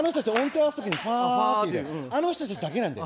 あの人たちだけなんです。